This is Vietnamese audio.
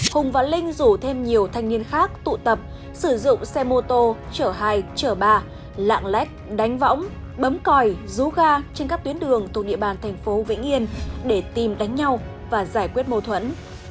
hùng và linh rủ thêm nhiều thanh niên khác tụ tập sử dụng xe mô tô chở hai chở bà lạng lách đánh võng bấm còi rú ga trên các tuyến đường thuộc địa bàn thành phố vĩnh yên để tìm đánh nhau và giải quyết mâu thuẫn